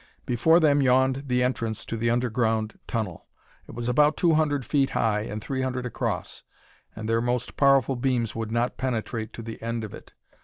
Before them yawned the entrance to the underground tunnel. It was about two hundred feet high and three hundred across, and their most powerful beams would not penetrate to the end of it.